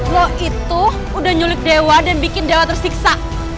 lo itu udah nyulik dewa dan bikin dewa tersiksa